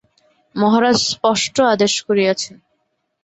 মহারাজ স্পষ্ট আদেশ করিয়াছেন।